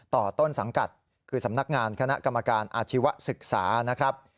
ต้นสังกัดคือสำนักงานคณะกรรมการอาชีวศึกษานะครับ